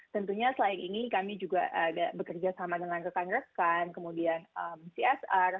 tentunya selain ini kami juga bekerja sama dengan rekan rekan kemudian csr